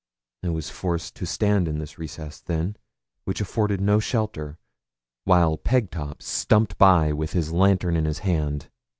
I was forced to stand in this recess, then, which afforded no shelter, while Pegtop stumped by with his lantern in his hand.